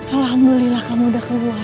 alhamdulillah kamu sudah keluar